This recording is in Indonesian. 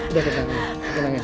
udah tenangin tenangin ya